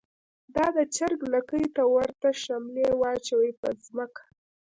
دا د چر ګ لکۍ ته ورته شملی واچوی په ځمکه